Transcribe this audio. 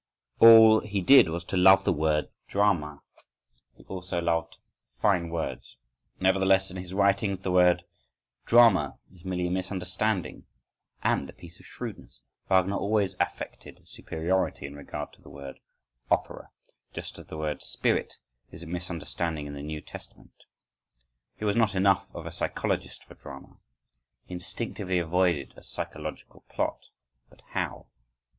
All he did was to love the word "drama"—he always loved fine words. Nevertheless, in his writings the word "drama" is merely a misunderstanding (—and a piece of shrewdness: Wagner always affected superiority in regard to the word "opera"—), just as the word "spirit" is a misunderstanding in the New Testament.—He was not enough of a psychologist for drama; he instinctively avoided a psychological plot—but how?